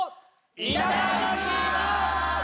いただきます！